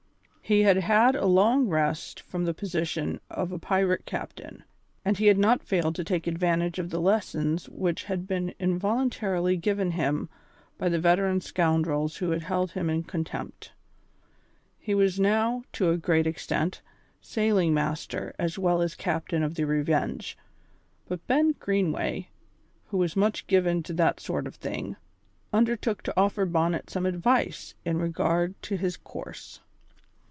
He had had a long rest from the position of a pirate captain, and he had not failed to take advantage of the lessons which had been involuntarily given him by the veteran scoundrels who had held him in contempt. He was now, to a great extent, sailing master as well as captain of the Revenge; but Ben Greenway, who was much given to that sort of thing, undertook to offer Bonnet some advice in regard to his course.